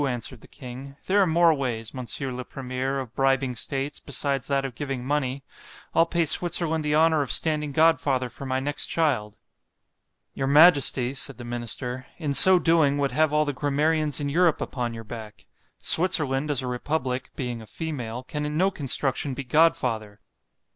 answered the king—there are more ways, Mons. le Premier, of bribing states, besides that of giving money—I'll pay Switzerland the honour of standing godfather for my next child.——Your majesty, said the minister, in so doing, would have all the grammarians in Europe upon your back;——Switzerland, as a republic, being a female, can in no construction be godfather.